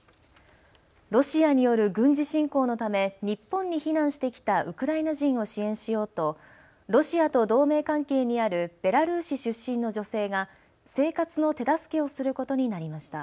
ロシアによる軍事侵攻のため日本に避難してきたウクライナ人を支援しようとロシアと同盟関係にあるベラルーシ出身の女性が生活の手助けをすることになりました。